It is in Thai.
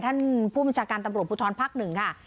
ท่านผู้บัญชาการตำรวจผู้ท้อนภักดิ์๑ค่ะ